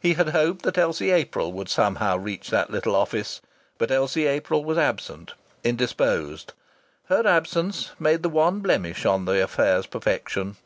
He had hoped that Elsie April would somehow reach that little office. But Elsie April was absent, indisposed. Her absence made the one blemish on the affair's perfection.